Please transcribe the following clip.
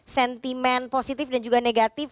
sentimen positif dan juga negatif